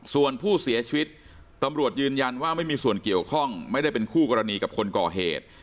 ส่วนผู้เสียชีวิตตำรวจยืนยันว่าไม่มีส่วนเกี่ยวข้องไม่ได้เป็นคู่กรณีกับคนก่อเหตุ